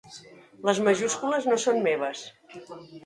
Les majúscules no són meves.